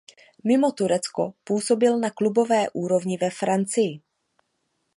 Mimo Turecko působil na klubové úrovni ve Francii.